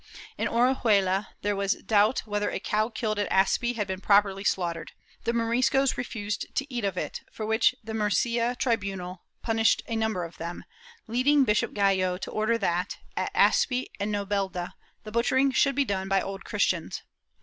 In Orihuela there was doubt whether a cow killed at Aspe had been properly slaughtered; the Moriscos refused to eat of it, for which the Murcia tribunal punished a number of them, leading Bishop Gallo to order that, at Aspe and Nobelda, the butchering should be done by Old Christians.